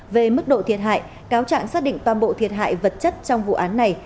về mức độ thiệt hại cáo trạng xác định toàn bộ thiệt hại vật chất trong vụ án này